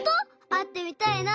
あってみたいな。